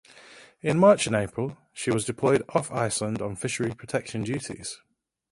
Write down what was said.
In March and April she was deployed off Iceland on Fishery Protection duties.